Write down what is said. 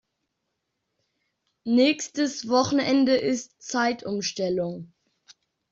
Nächstes Wochenende ist Zeitumstellung.